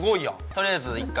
とりあえず１回。